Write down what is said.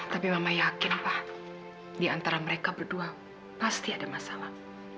tapi mama yakin pak diantara mereka berdua pasti ada masalah